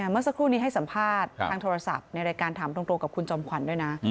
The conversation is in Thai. เมื่อสักครู่นี้ให้สัมภาษณ์ทางโทรศัพท์ในรายการถามตรงกับคุณจอมขวัญด้วยนะ